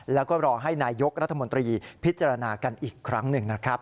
แล้วก็รอให้นายกรัฐมนตรีพิจารณากันอีกครั้งหนึ่งนะครับ